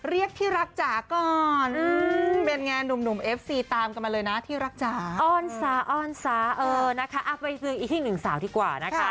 เออนะคะไปริมสาวอีกทิ่งนึงสาวที่กว่านะคะ